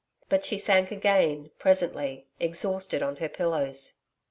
But she sank again presently, exhausted, on her pillows.